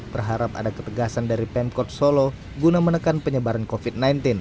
berharap ada ketegasan dari pemkot solo guna menekan penyebaran covid sembilan belas